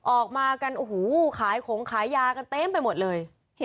ออกมากันโอ้โหขายของขายยากันเต็มไปหมดเลย